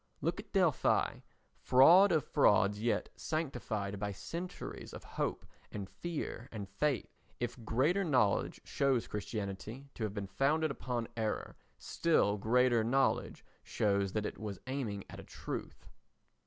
Look at Delphi—fraud of frauds, yet sanctified by centuries of hope and fear and faith. If greater knowledge shows Christianity to have been founded upon error, still greater knowledge shows that it was aiming at a truth.